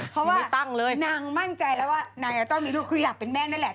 เพราะว่านางมั่นใจแล้วว่านางจะต้องมีลูกคืออยากเป็นแม่นั่นแหละ